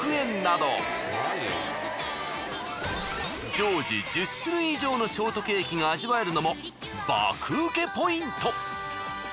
常時１０種類以上のショートケーキが味わえるのも爆ウケポイント。